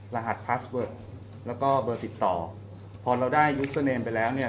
รหัสพาสเวิร์กแล้วก็เบอร์ติดต่อพอเราได้ยูสเตอร์เนมไปแล้วเนี่ย